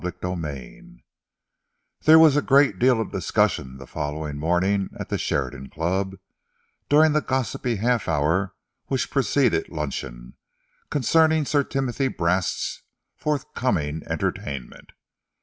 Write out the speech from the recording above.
CHAPTER XXVIII There was a great deal of discussion, the following morning at the Sheridan Club, during the gossipy half hour which preceded luncheon, concerning Sir Timothy Brast's forthcoming entertainment.